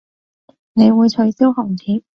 你會取消紅帖